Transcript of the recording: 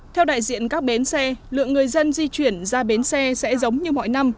theo đại diện các bến xe lượng người dân di chuyển ra bến xe sẽ giống như mọi năm